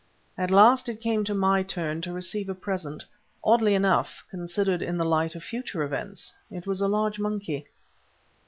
At last it came to my turn to receive a present—oddly enough, considered in the light of future events, it was a large monkey.